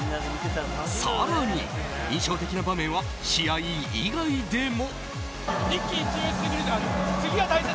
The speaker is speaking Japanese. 更に、印象的な場面は試合以外でも。